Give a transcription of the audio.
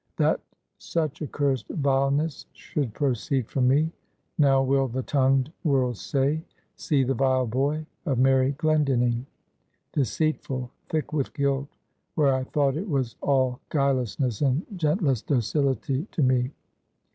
"That such accursed vileness should proceed from me! Now will the tongued world say See the vile boy of Mary Glendinning! Deceitful! thick with guilt, where I thought it was all guilelessness and gentlest docility to me.